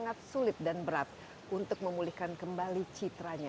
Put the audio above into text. perekonomian beredaran di klas kejuaraan kota sorry synchronis